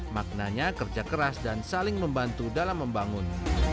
maknanya kerja keras dan saling membantu dalam membangun